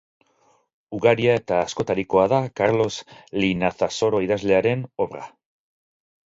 Ugaria eta askotarikoa da Karlos Linazasoro idazlearen obra.